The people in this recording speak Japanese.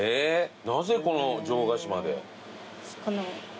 なぜこの城ヶ島で。